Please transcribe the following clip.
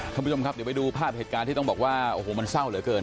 ท่านผู้ชมครับเดี๋ยวไปดูภาพเหตุการณ์ที่ต้องบอกว่าโอ้โหมันเศร้าเหลือเกิน